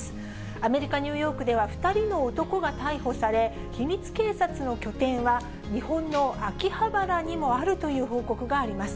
アメリカ・ニューヨークでは、２人の男が逮捕され、秘密警察の拠点は、日本の秋葉原にもあるという報告があります。